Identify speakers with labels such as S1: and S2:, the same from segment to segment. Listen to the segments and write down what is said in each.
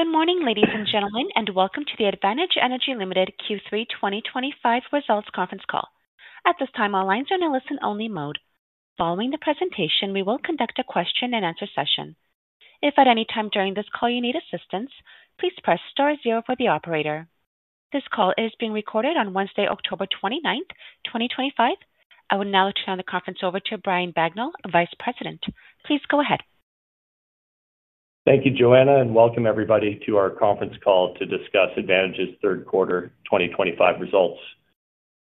S1: Good morning, ladies and gentlemen, and welcome to the Advantage Energy Limited Q3 2025 results conference call. At this time, all lines are in a listen-only mode. Following the presentation, we will conduct a question-and-answer session. If at any time during this call you need assistance, please press star zero for the operator. This call is being recorded on Wednesday, October 29th, 2025. I will now turn the conference over to Brian Bagnell, Vice President. Please go ahead.
S2: Thank you, Joanna, and welcome everybody to our conference call to discuss Advantage's third quarter 2025 results.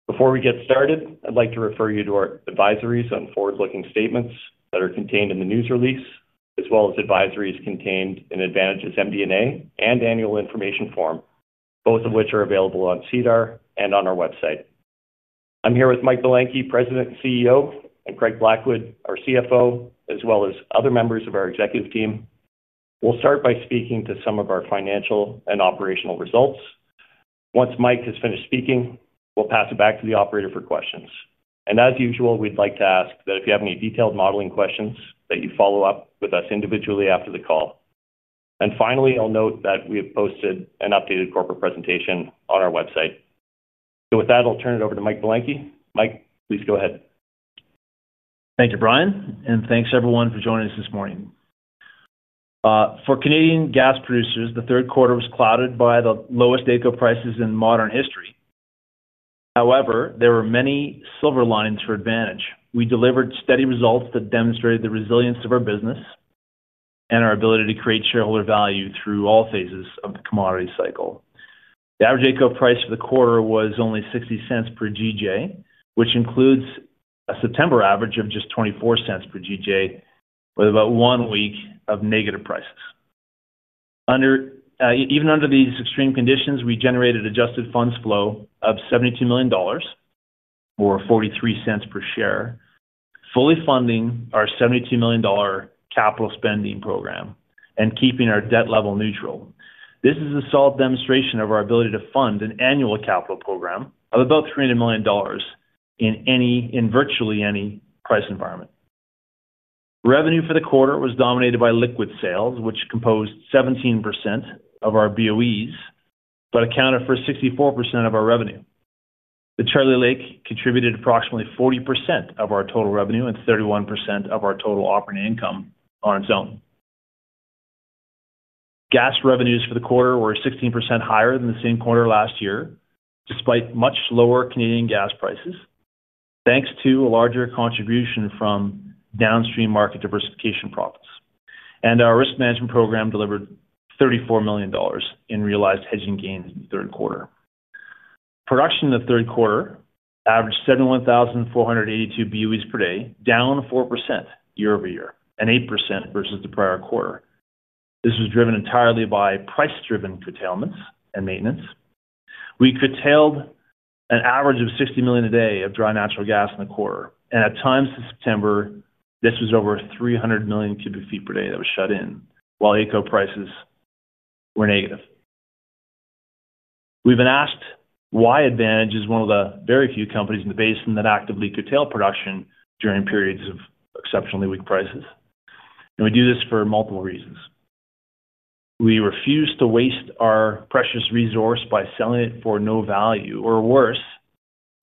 S2: Before we get started, I'd like to refer you to our advisories on forward-looking statements that are contained in the news release, as well as advisories contained in Advantage's MD&A and annual information form, both of which are available on SEDAR and on our website. I'm here with Mike Belenkie, President and CEO, and Craig Blackwood, our CFO, as well as other members of our executive team. We'll start by speaking to some of our financial and operational results. Once Mike has finished speaking, we'll pass it back to the operator for questions. If you have any detailed modeling questions, we ask that you follow up with us individually after the call. Finally, I'll note that we have posted an updated corporate presentation on our website. With that, I'll turn it over to Mike Belenkie. Mike, please go ahead.
S3: Thank you, Brian, and thanks everyone for joining us this morning. For Canadian gas producers, the third quarter was clouded by the lowest AECO prices in modern history. However, there were many silver linings for Advantage. We delivered steady results that demonstrated the resilience of our business and our ability to create shareholder value through all phases of the commodity cycle. The average AECO price for the quarter was only $0.60 per GJ, which includes a September average of just $0.24 per GJ, with about one week of negative prices. Even under these extreme conditions, we generated adjusted funds flow of $72 million, or $0.43 per share, fully funding our $72 million capital spending program and keeping our debt level neutral. This is a solid demonstration of our ability to fund an annual capital program of about $300 million in virtually any price environment. Revenue for the quarter was dominated by liquids sales, which composed 17% of our boes, but accounted for 64% of our revenue. The Charlie Lake contributed approximately 40% of our total revenue and 31% of our total operating income on its own. Gas revenues for the quarter were 16% higher than the same quarter last year, despite much lower Canadian gas prices, thanks to a larger contribution from downstream market diversification profits. Our risk management program delivered $34 million in realized hedging gains in the third quarter. Production in the third quarter averaged 71,482 boe/d, down 4% year-over-year and 8% versus the prior quarter. This was driven entirely by price-driven curtailments and maintenance. We curtailed an average of 60 million a day of dry natural gas in the quarter, and at times in September, this was over 300 million cu ft per day that was shut in while AECO prices were negative. We've been asked why Advantage is one of the very few companies in the basin that actively curtail production during periods of exceptionally weak prices. We do this for multiple reasons. We refuse to waste our precious resource by selling it for no value or worse,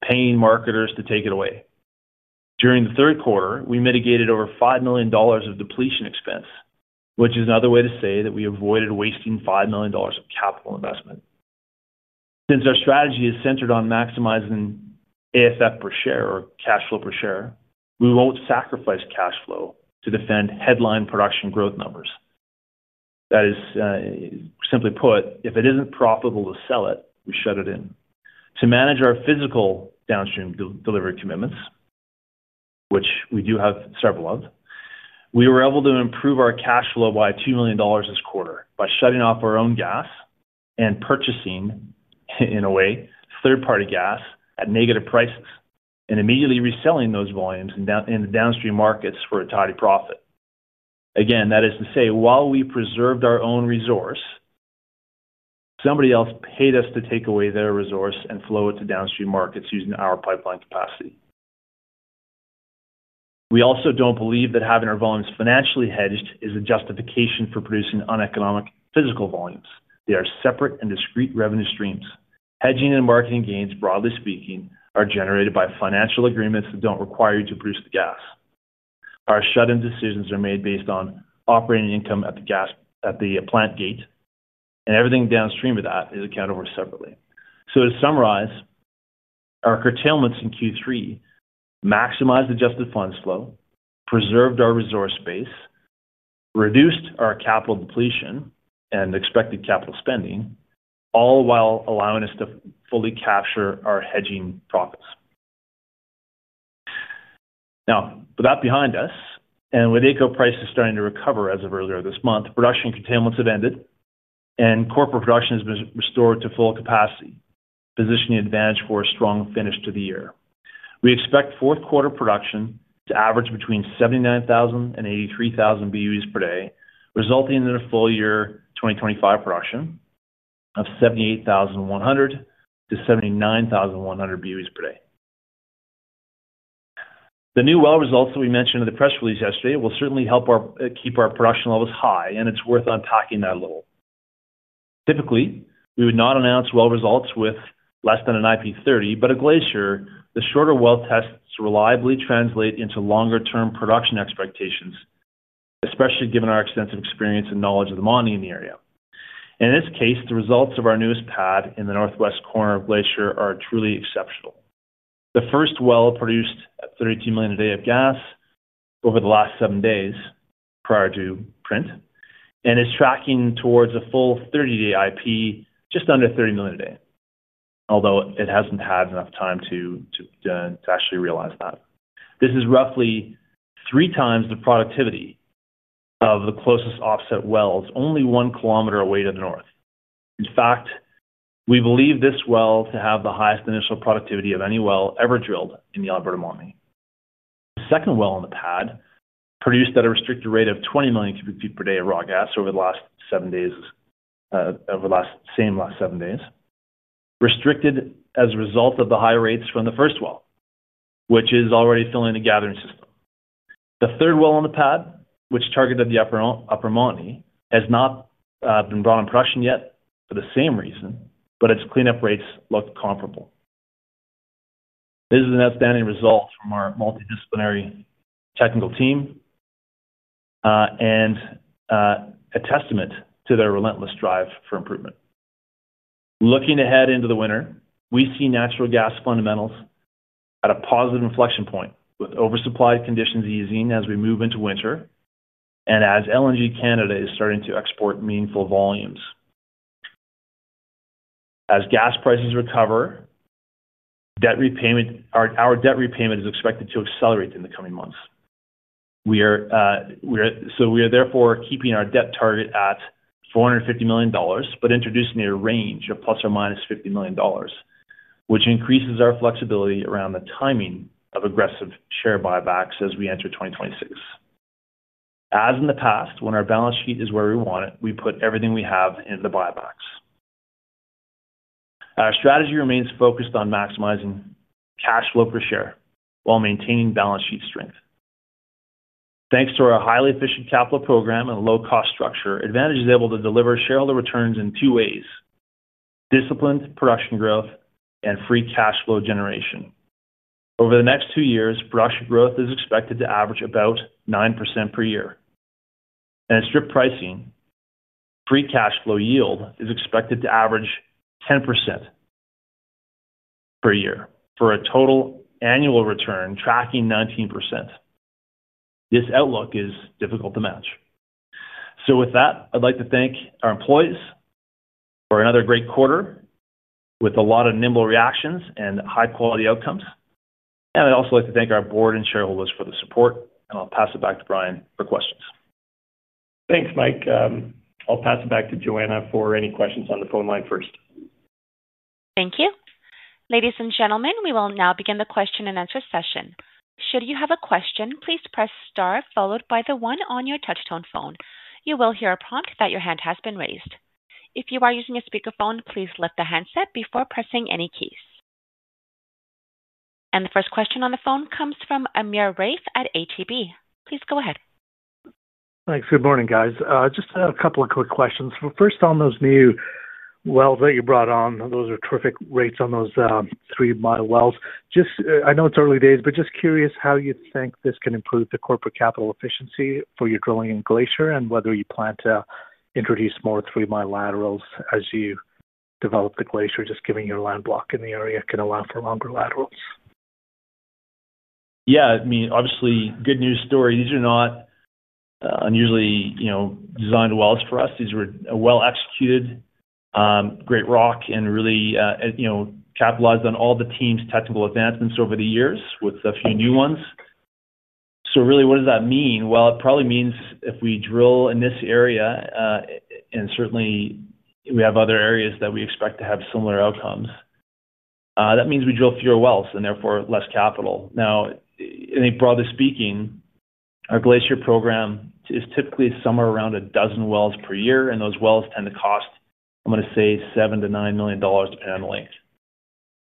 S3: paying marketers to take it away. During the third quarter, we mitigated over $5 million of depletion expense, which is another way to say that we avoided wasting $5 million of capital investment. Since our strategy is centered on maximizing AFF per share or cash flow per share, we won't sacrifice cash flow to defend headline production growth numbers. That is simply put, if it isn't profitable to sell it, we shut it in. To manage our physical downstream delivery commitments, which we do have several of, we were able to improve our cash flow by $2 million this quarter by shutting off our own gas and purchasing, in a way, third-party gas at negative prices and immediately reselling those volumes in the downstream markets for a tidy profit. That is to say, while we preserved our own resource, somebody else paid us to take away their resource and flow it to downstream markets using our pipeline capacity. We also don't believe that having our volumes financially hedged is a justification for producing uneconomic physical volumes. They are separate and discrete revenue streams. Hedging and marketing gains, broadly speaking, are generated by financial agreements that don't require you to produce the gas. Our shut-in decisions are made based on operating income at the plant gate, and everything downstream of that is accounted for separately. To summarize, our curtailments in Q3 maximized adjusted funds flow, preserved our resource base, reduced our capital depletion and expected capital spending, all while allowing us to fully capture our hedging profits. Now, with that behind us and with AECO prices starting to recover as of earlier this month, production curtailments have ended and corporate production has been restored to full capacity, positioning Advantage for a strong finish to the year. We expect fourth quarter production to average between 79,000 and 83,000 boe/day, resulting in a full year 2025 production of 78,100-79,100 boe/d. The new well results that we mentioned in the press release yesterday will certainly help keep our production levels high, and it's worth unpacking that a little. Typically, we would not announce well results with less than an IP30, but at Glacier, the shorter well tests reliably translate into longer-term production expectations, especially given our extensive experience and knowledge of the mining in the area. In this case, the results of our newest pad in the northwest corner of Glacier are truly exceptional. The first well produced at 32 million a day of gas over the last 7 days prior to print and is tracking towards a full 30-day IP, just under 30 million a day, although it hasn't had enough time to actually realize that. This is roughly 3x the productivity of the closest offset wells, only 1 km away to the north. In fact, we believe this well to have the highest initial productivity of any well ever drilled in the Alberta Montney. The second well in the pad produced at a restricted rate of 20 million cu ft per day of raw gas over the last 7 days, over the same last 7 days, restricted as a result of the high rates from the first well, which is already filling the gathering system. The third well on the pad, which targeted the upper Montney, has not been brought in production yet for the same reason, but its cleanup rates look comparable. This is an outstanding result from our multidisciplinary technical team and a testament to their relentless drive for improvement. Looking ahead into the winter, we see natural gas fundamentals at a positive inflection point with oversupplied conditions easing as we move into winter and as LNG Canada is starting to export meaningful volumes. As gas prices recover, our debt repayment is expected to accelerate in the coming months. We are therefore keeping our debt target at $450 million, but introducing a range of ±$50 million, which increases our flexibility around the timing of aggressive share buybacks as we enter 2026. As in the past, when our balance sheet is where we want it, we put everything we have into the buybacks. Our strategy remains focused on maximizing cash flow per share while maintaining balance sheet strength. Thanks to our highly efficient capital program and low-cost structure, Advantage is able to deliver shareholder returns in two ways: disciplined production growth and free cash flow generation. Over the next 2 years, production growth is expected to average about 9% per year. At strip pricing, free cash flow yield is expected to average 10% per year for a total annual return tracking 19%. This outlook is difficult to match. I would like to thank our employees for another great quarter with a lot of nimble reactions and high-quality outcomes. I would also like to thank our board and shareholders for the support. I'll pass it back to Brian for questions.
S2: Thanks, Mike. I'll pass it back to Joanna for any questions on the phone line first.
S1: Thank you. Ladies and gentlemen, we will now begin the question-and-answer session. Should you have a question, please press star followed by the one on your touchtone phone. You will hear a prompt that your hand has been raised. If you are using a speakerphone, please lift the handset before pressing any keys. The first question on the phone comes from Amir [Rafe] at ATB. Please go ahead. Thanks. Good morning, guys. Just a couple of quick questions. First, on those new wells that you brought on, those are terrific rates on those three-mile wells. I know it's early days, but just curious how you think this can improve the corporate capital efficiency for your drilling in Glacier and whether you plan to introduce more three-mile laterals as you develop the Glacier, just given your land block in the area can allow for longer laterals.
S3: Yeah, I mean, obviously, good news story. These are not unusually, you know, designed wells for us. These were well-executed, great rock and really, you know, capitalized on all the team's technical advancements over the years with a few new ones. Really, what does that mean? It probably means if we drill in this area, and certainly we have other areas that we expect to have similar outcomes, that means we drill fewer wells and therefore less capital. I think broadly speaking, our Glacier program is typically somewhere around a dozen wells per year, and those wells tend to cost, I'm going to say, $7 million-$9 million depending on the length.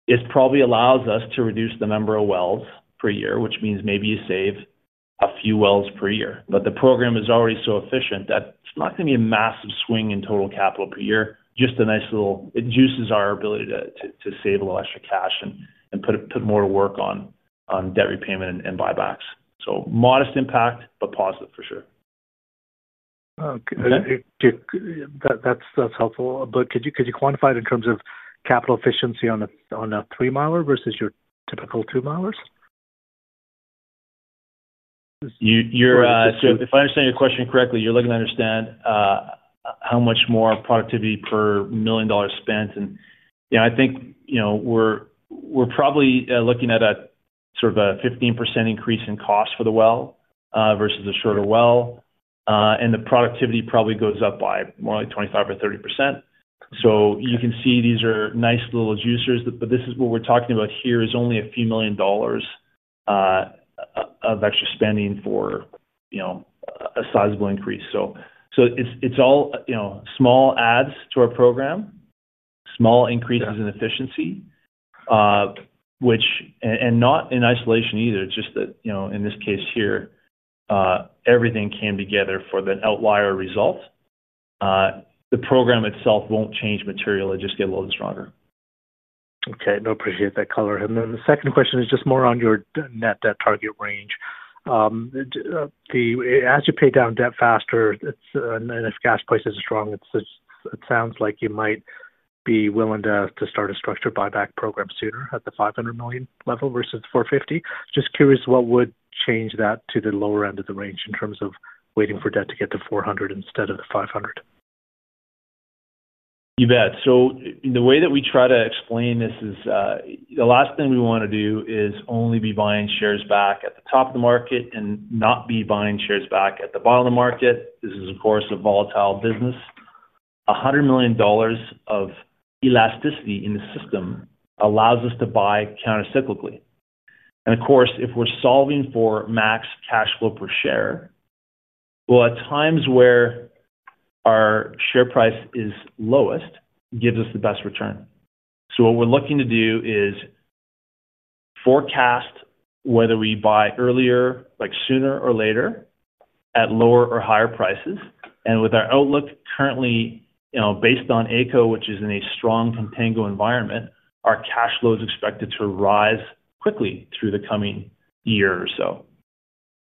S3: This probably allows us to reduce the number of wells per year, which means maybe you save a few wells per year. The program is already so efficient that it's not going to be a massive swing in total capital per year, just a nice little... It juices our ability to save a little extra cash and put more work on debt repayment and buybacks. Modest impact, but positive for sure. Okay, that's helpful. Could you quantify it in terms of capital efficiency on a three-miler versus your typical two-milers? If I understand your question correctly, you're looking to understand how much more productivity per million dollars spent. I think we're probably looking at a sort of a 15% increase in cost for the well versus a shorter well, and the productivity probably goes up by more like 25% or 30%. You can see these are nice little juicers, but what we're talking about here is only a few million dollars of extra spending for a sizable increase. It's all small adds to our program, small increases in efficiency, and not in isolation either. It's just that in this case here, everything came together for the outlier result. The program itself won't change materially, it'll just get a little stronger. Okay. I appreciate that color. The second question is just more on your net debt target range. As you pay down debt faster, and if gas prices are strong, it sounds like you might be willing to start a structured buyback program sooner at the $500 million level versus the $450 million. Just curious what would change that to the lower end of the range in terms of waiting for debt to get to $400 million instead of the $500 million. You bet. The way that we try to explain this is the last thing we want to do is only be buying shares back at the top of the market and not be buying shares back at the bottom of the market. This is, of course, a volatile business. $100 million of elasticity in the system allows us to buy countercyclically. If we're solving for max cash flow per share, at times where our share price is lowest, it gives us the best return. What we're looking to do is forecast whether we buy earlier, like sooner or later, at lower or higher prices. With our outlook currently, based on AECO, which is in a strong contango environment, our cash flow is expected to rise quickly through the coming year or so.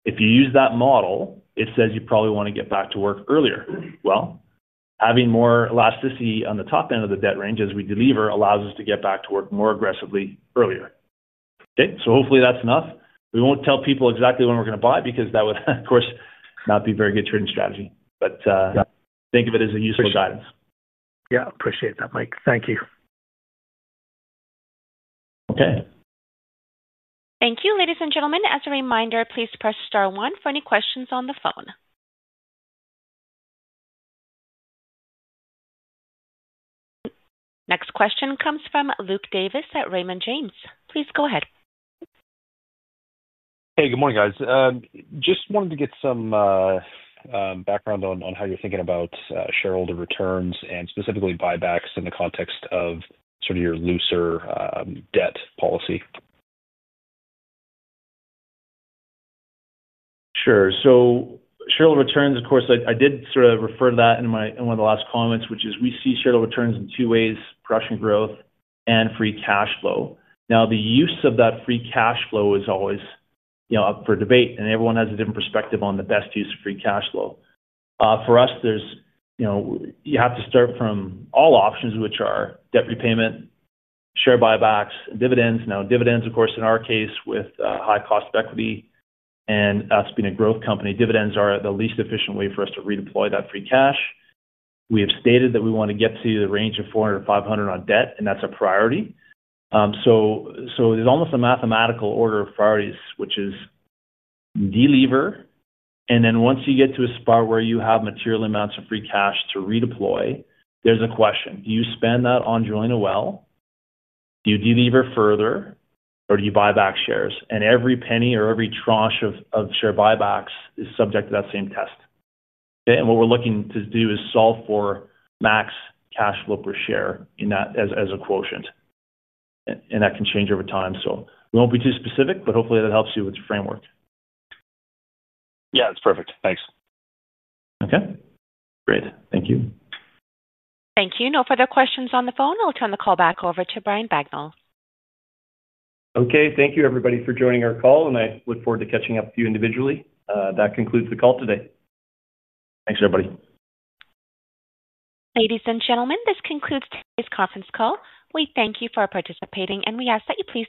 S3: If you use that model, it says you probably want to get back to work earlier. Having more elasticity on the top end of the debt range as we deliver allows us to get back to work more aggressively earlier. Hopefully that's enough. We won't tell people exactly when we're going to buy because that would, of course, not be a very good trading strategy. Think of it as a useful guidance. Yeah, I appreciate that, Mike. Thank you. Okay.
S1: Thank you, ladies and gentlemen. As a reminder, please press star one for any questions on the phone. Next question comes from Luke Davis at Raymond James. Please go ahead.
S4: Hey, good morning, guys. Just wanted to get some background on how you're thinking about shareholder returns and specifically buybacks in the context of your looser debt policy.
S3: Sure. Shareholder returns, of course, I did sort of refer to that in one of the last comments, which is we see shareholder returns in two ways: production growth and free cash flow. The use of that free cash flow is always, you know, up for debate, and everyone has a different perspective on the best use of free cash flow. For us, you have to start from all options, which are debt repayment, share buybacks, and dividends. Dividends, of course, in our case, with a high cost of equity and us being a growth company, are the least efficient way for us to redeploy that free cash. We have stated that we want to get to the range of $400 million-$500 million on debt, and that's a priority. There's almost a mathematical order of priorities, which is deliver, and then once you get to a spot where you have material amounts of free cash to redeploy, there's a question. Do you spend that on drilling a well? Do you deliver further or do you buy back shares? Every penny or every tranche of share buybacks is subject to that same test. What we're looking to do is solve for max cash flow per share in that as a quotient. That can change over time. We won't be too specific, but hopefully that helps you with the framework.
S4: Yeah, that's perfect. Thanks.
S3: Okay, great. Thank you.
S1: Thank you. No further questions on the phone. I'll turn the call back over to Brian Bagnell.
S2: Okay, thank you, everybody, for joining our call. I look forward to catching up with you individually. That concludes the call today.
S3: Thanks, everybody.
S1: Ladies and gentlemen, this concludes today's conference call. We thank you for participating, and we ask that you please.